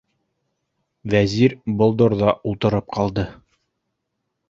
Вәзир болдорҙа ултырып ҡалды.